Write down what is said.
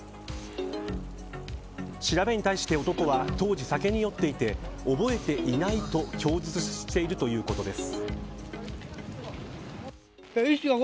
調べに対して男は当時、酒に酔っていて覚えていないと供述しているということです。